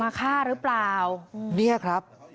มาฆ่าหรือเปล่า